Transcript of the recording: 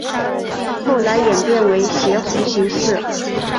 后来演变为斜红型式。